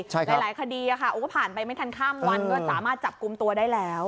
หลายคดีก็ผ่านไปไม่ทันข้ามวันก็สามารถจับกลุ่มตัวได้แล้ว